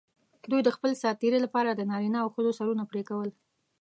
دوی د خپل سات تېري لپاره د نارینه او ښځو سرونه پرې کول.